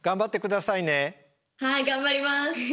はい頑張ります。